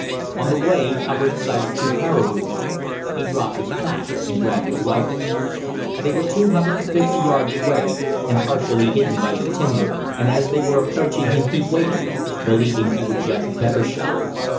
On the way Hubbard sighted two caribou. He dropped his pack and grabbed his rifle. They were 250 yards away and partially hidden by the timber, and as they were approaching him, he waited, believing he would get a better shot.